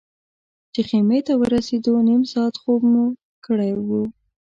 چې خیمې ته ورسېدو نیم ساعت خوب مې کړی و.